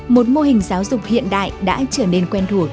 một mô hình giáo dục hiện đại đã trở nên quen thuộc